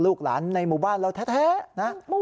ลูกหลานในหมู่บ้านเราแท้นะ